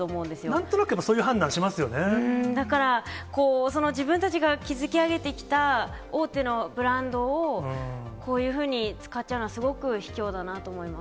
なんとなくそういう判断しまだから、自分たちが築き上げてきた大手のブランドを、こういうふうに使っちゃうのは、すごくひきょうだなと思います。